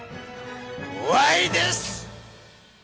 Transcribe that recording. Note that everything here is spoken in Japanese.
「怖いです」！！